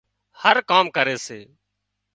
هر ڪام ڪري سي